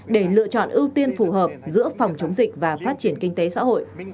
để lựa chọn ưu tiên phù hợp giữa phòng chống dịch và phát triển kinh tế xã hội